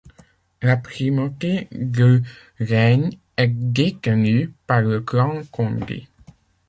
La primauté du règne est détenue par le clan Kondi.